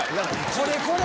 これこれ！